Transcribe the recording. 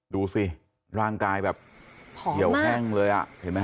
ดูสิร่างกายแบบเขียวแห้งเลยอ่ะเห็นไหมฮ